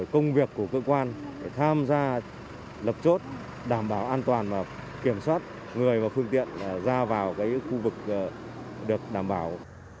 công việc của cơ quan tham gia lập chốt đảm bảo an toàn và kiểm soát người và phương tiện ra vào khu vực được đảm bảo